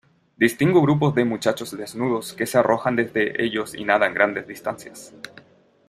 distingo grupos de muchachos desnudos que se arrojan desde ellos y nadan grandes distancias,